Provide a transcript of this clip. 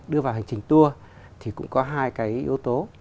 đưa vào hành trình tour thì cũng có hai cái yếu tố